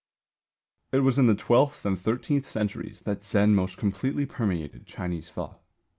It was in the twelfth and thirteenth centuries that Zen most completely permeated Chinese thought.